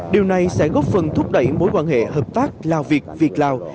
điều này sẽ góp phần thúc đẩy mối quan hệ hợp tác lào việt việt lào